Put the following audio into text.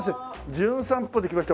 『じゅん散歩』で来ました